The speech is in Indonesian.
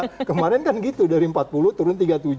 karena independen kan gitu dari empat puluh turun tiga puluh tujuh